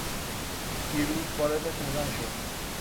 دیروز وارد تهران شد.